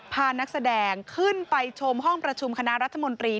พานักแสดงขึ้นไปชมห้องประชุมคณะรัฐมนตรี